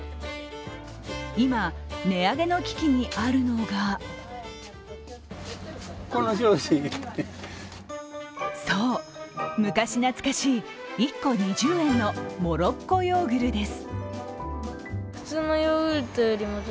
今、値上げの危機にあるのがそう、昔懐かしい１個２０円のモロッコヨーグルです。